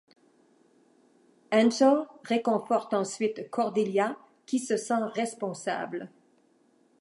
Angel réconforte ensuite Cordelia qui se sent responsable.